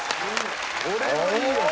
これはいいよ。